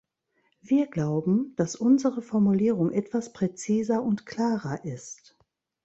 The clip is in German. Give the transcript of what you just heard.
Wir glauben, dass unsere Formulierung etwas präziser und klarer ist.